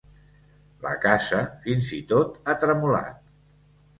La casa fins i tot ha tremolat.